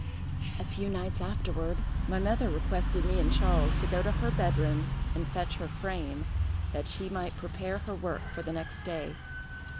"A few nights afterward, my mother requested me and Charles to go to her bed room and fetch her frame, that she might prepare her work for the next day.